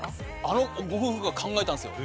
あのご夫婦が考えたんですよ。